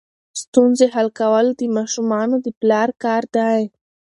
ستونزې حل کول د ماشومانو د پلار کار دی.